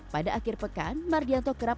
pada akhir pekan mardianto kerap